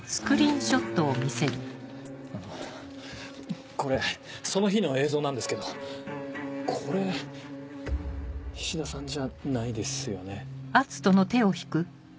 あのこれその日の映像なんですけどこれ菱田さんじゃないですよね？